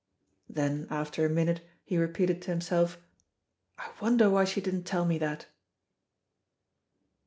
Then after a minute he repeated to himself, "I wonder why she didn't tell me that."